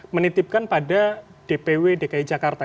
menitipkan pada dpw dki jakarta